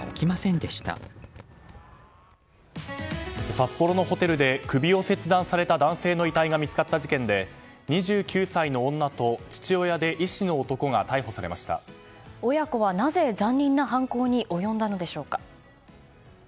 札幌のホテルで首を切断された男性の遺体が見つかった事件で、２９歳の女と親子は、なぜ残忍な犯行に及んだのでしょうか。